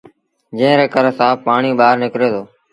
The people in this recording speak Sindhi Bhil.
جݩهݩ ري ڪري سآڦ پآڻيٚ ٻآهر نڪري دو۔